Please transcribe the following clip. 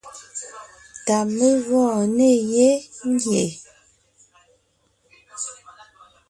Tà mé gɔɔn ne yé ngie.